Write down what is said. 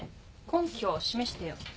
根拠を示してよ。